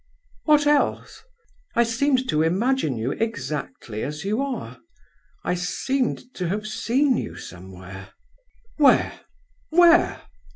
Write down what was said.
"What else?" "I seemed to imagine you exactly as you are—I seemed to have seen you somewhere." "Where—where?"